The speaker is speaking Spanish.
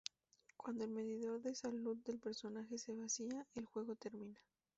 Cuando el medidor de salud del personaje se vacía, el juego termina.